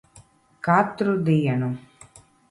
Katru dienu.